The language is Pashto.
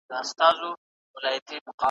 له يخو څښاکونو ځان وساته